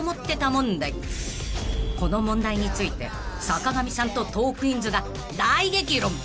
［この問題について坂上さんとトークィーンズが大激論］